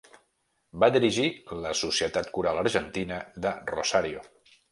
Va dirigir la Societat Coral Argentina de Rosario.